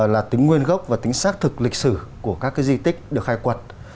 là tính nguyên gốc và tính xác thực lịch sử của các di tích được khai quật